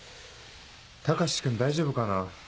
高志君大丈夫かな？